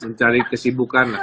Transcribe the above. mencari kesibukan lah